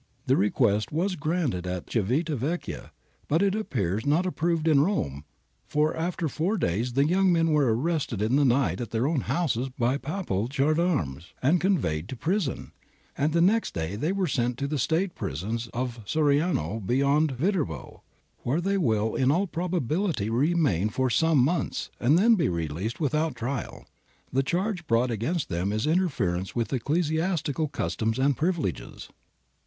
'The request was granted at Civita Vecchia but it appears not approved in Rome, for after four days the young men were arrested in the night at their houses by Papal Gendarmes and conveyed to prison, and the next day they were sent to the State Prisons of Soriano beyond Viterbo, where they will in all probability remain for some months and then be released without trial. The charge brought against them is interference with Ecclesiastical Customs and Privileges.